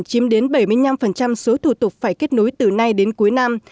chiếm đến bảy mươi năm số thủ tục phải kết nối từ nay đến cuối năm